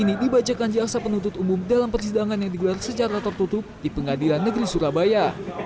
ini dibacakan jaksa penuntut umum dalam persidangan yang digelar secara tertutup di pengadilan negeri surabaya